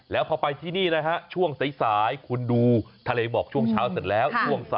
แล้วพอไปที่นี่นะฮะช่วงสายคุณดูทะเลหมอกช่วงเช้าเสร็จแล้วช่วง๓